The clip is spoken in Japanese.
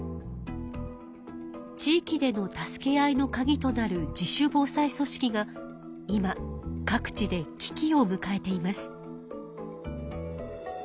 地域での助け合いのカギとなる自主防災組織が今各地でき機をむかえています。